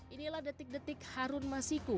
inilah detik detik harun masiku